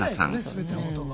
全てのことが。